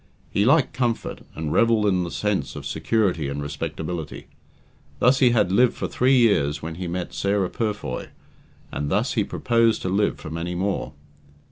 He liked comfort, and revelled in the sense of security and respectability. Thus he had lived for three years when he met Sarah Purfoy, and thus he proposed to live for many more.